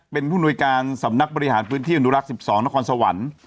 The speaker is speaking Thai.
เป็นผู้หน่วยการสำนักบริหารพื้นที่อนุรักษ์๑๒นครสวรรค์